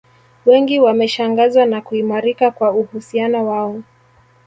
Wengi wameshangazwa na kuimarika kwa uhusiano wao